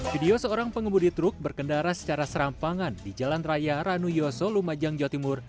video seorang pengemudi truk berkendara secara serampangan di jalan raya ranuyoso lumajang jawa timur